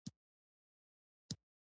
الوتکه په فضا کې تعادل ساتي.